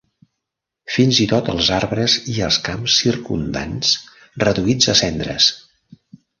Fins i tot els arbres i els camps circumdants reduïts a cendres.